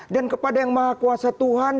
dan kepada yang maha kuasa tuhan